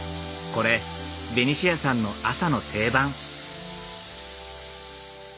これベニシアさんの朝の定番。